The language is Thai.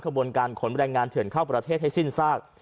บนการขนแรงงานเถื่อนเข้าประเทศให้สิ้นซาก